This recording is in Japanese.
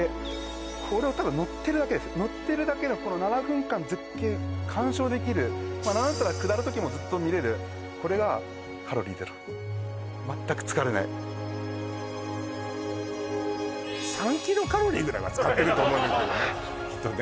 これをただ乗ってるだけです乗ってるだけのこの７分間絶景観賞できるまあ何だったら下る時もずっと見れるこれがカロリー０全く疲れない３キロカロリーぐらいは使ってると思うんだけどねきっとね